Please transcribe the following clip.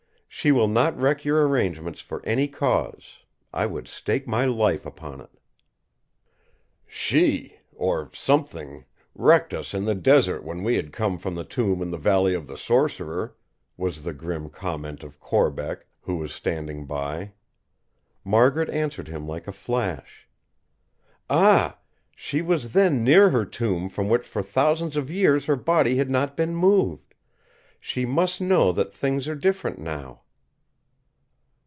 She will not wreck your arrangements for any cause. I would stake my life upon it." "She—or something—wrecked us in the desert when we had come from the tomb in the Valley of the Sorcerer!" was the grim comment of Corbeck, who was standing by. Margaret answered him like a flash: "Ah! she was then near her tomb from which for thousands of years her body had not been moved. She must know that things are different now."